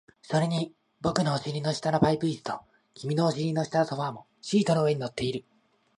それに僕のお尻の下のパイプ椅子と、君のお尻の下のソファーもシートの上に乗っている